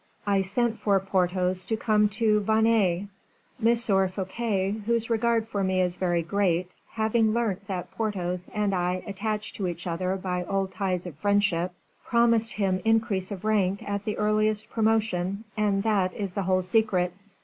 I sent for Porthos to come to Vannes. M. Fouquet, whose regard for me is very great, having learnt that Porthos and I were attached to each other by old ties of friendship, promised him increase of rank at the earliest promotion, and that is the whole secret."